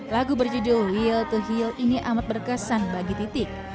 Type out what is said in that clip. lagu berjudul yl to heel ini amat berkesan bagi titik